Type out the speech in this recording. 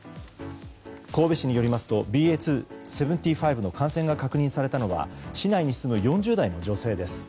神戸市によりますとＢＡ．２．７５の感染が確認されたのは市内に住む４０代の女性です